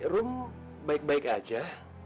room baik baik aja